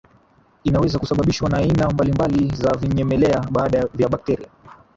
inaweza kusababishwa na aina mbalimbali za vinyemelea vya bakteria